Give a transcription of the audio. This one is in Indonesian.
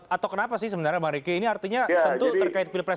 atau kenapa sih sebenarnya bang riki ini artinya tentu terkait pilpres